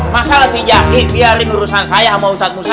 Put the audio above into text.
masalah sih zaky biarin urusan saya sama ustadz musa ya